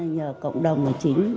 nhờ cộng đồng chính